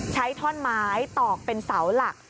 ท่อนไม้ตอกเป็นเสาหลัก